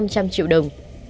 trăm triệu đồng